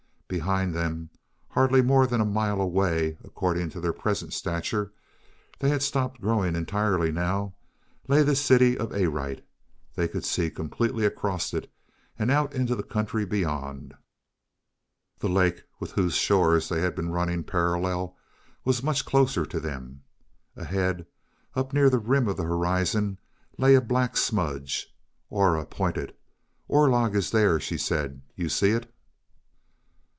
Behind them, hardly more than a mile away, according to their present stature they had stopped growing entirely now lay the city of Arite. They could see completely across it and out into the country beyond. The lake, with whose shore they had been running parallel, was much closer to them. Ahead, up near the rim of the horizon, lay a black smudge. Aura pointed. "Orlog is there," she said. "You see it?"